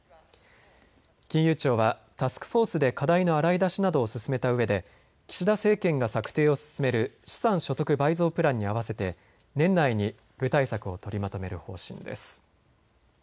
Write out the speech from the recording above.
金融庁はタスクフォースで課題の洗い出しなどを進めたうえで岸田政権が策定を進める資産所得倍増プランに合わせて年内に具体策を取りまとめる方針です。